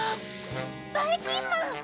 ばいきんまん！